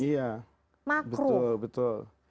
iya makruh betul betul